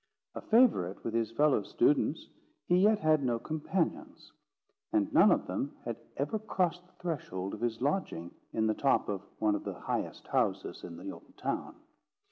A favourite with his fellow students, he yet had no companions; and none of them had ever crossed the threshold of his lodging in the top of one of the highest houses in the old town.